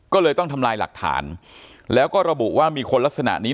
ก็เลยต้องทำลายหลักฐานแล้วก็ระบุว่ามีคนลักษณะนี้